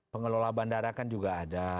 pengelola bandara kan juga ada